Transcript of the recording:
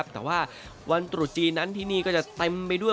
แต่ว่าวันตรุษจีนนั้นที่นี่ก็จะเต็มไปด้วย